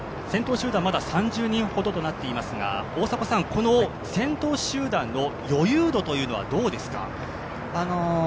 先頭集団、まだ３０人ほどとなっておりますがこの先頭集団の余裕度というのはどうですか？